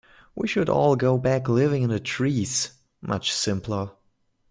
We should all go back to living in the trees, much simpler.